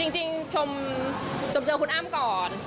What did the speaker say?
จริงผมชมเจอคุณอ่ามก่อน